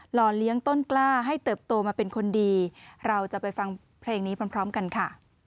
ห่อเลี้ยงต้นกล้าให้เติบโตมาเป็นคนดีเราจะไปฟังเพลงนี้พร้อมกันค่ะ